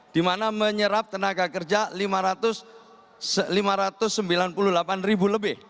di mana menyerap tenaga kerja lima ratus sembilan puluh delapan ribu lebih